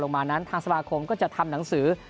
มานั้นทางสมาคมก็จะทำหนังสือ